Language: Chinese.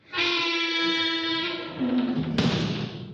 天命汗钱的钱文为老满文。